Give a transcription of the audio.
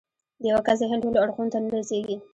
د يوه کس ذهن ټولو اړخونو ته نه رسېږي.